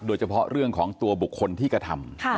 โดยเฉพาะเรื่องของตัวบุคคลที่กระทำ